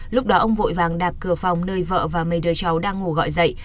lúc đó ông vội vàng đạp cửa phòng nơi vợ và mấy đứa cháu đang ngồi gọi dậy